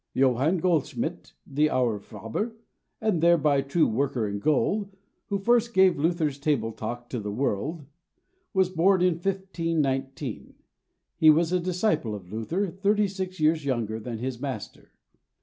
Johann Goldschmid, the Aurifaber, and thereby true worker in gold, who first gave Luther's Table Talk to the world, was born in 1519. He was a disciple of Luther, thirty six years younger than his master.